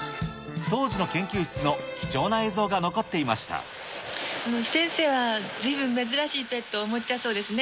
当時の研究室の貴重な映像が残っ先生はずいぶん、珍しいペットをお持ちだそうですね？